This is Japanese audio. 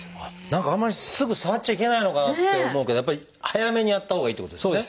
何かあんまりすぐ触っちゃいけないのかなって思うけどやっぱり早めにやったほうがいいってことですね。